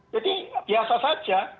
jadi biasa saja